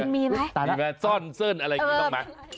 มีซ่อนเซิร์นอะไรรึยัง